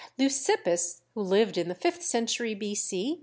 Leucippus, who lived in the fifth century B.C.